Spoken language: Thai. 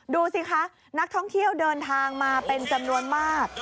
ดูสิคะนักท่องเที่ยวเดินทางมาเป็นจำนวนมาก